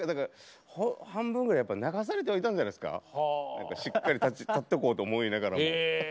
半分ぐらい流されてはいたんじゃないですか？しっかり立っておこうと思いながらも。